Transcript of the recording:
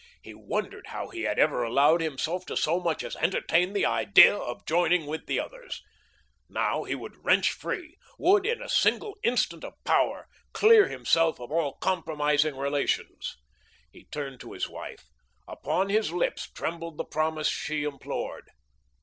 He wondered how he had ever allowed himself to so much as entertain the idea of joining with the others. Now, he would wrench free, would, in a single instant of power, clear himself of all compromising relations. He turned to his wife. Upon his lips trembled the promise she implored.